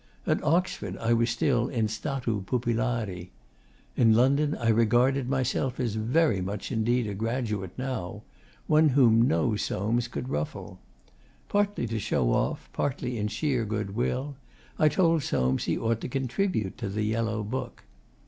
At Oxford I was still in statu pupillari. In London I regarded myself as very much indeed a graduate now one whom no Soames could ruffle. Partly to show off, partly in sheer good will, I told Soames he ought to contribute to 'The Yellow Book.